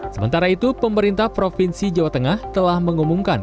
sementara itu pemerintah provinsi jawa tengah telah mengumumkan